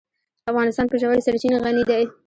افغانستان په ژورې سرچینې غني دی.